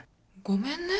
ごめんね？